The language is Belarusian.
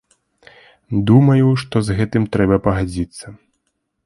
Думаю, што з гэтым трэба пагадзіцца.